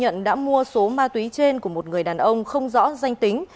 nhận đã mua số ma túy trên của một người đàn ông không rõ danh tính